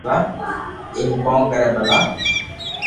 ايم ڪون ڪري ڀلا